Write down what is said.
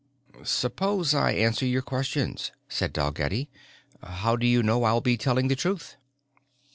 "Suppose I answer your questions," said Dalgetty. "How do you know I'll be telling the truth?"